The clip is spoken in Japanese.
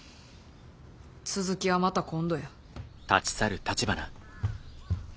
続きはまた今度や。